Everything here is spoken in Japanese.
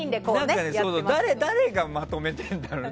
誰がまとめているんだろう。